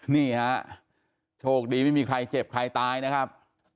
นี่ฮะโชคดีไม่มีใครเจ็บใครตายนะครับ